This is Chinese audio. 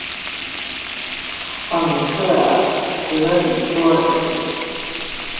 蒙特格里多尔福。